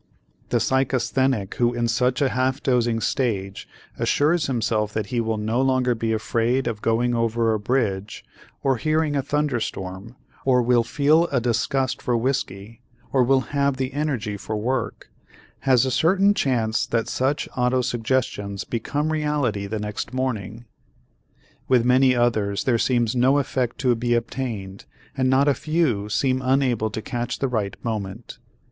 The psychasthenic who in such a half dozing stage assures himself that he will no longer be afraid of going over a bridge or hearing a thunderstorm or will feel a disgust for whiskey or will have the energy for work, has a certain chance that such autosuggestions become reality the next morning. With many others there seems no effect to be obtained and not a few seem unable to catch the right moment.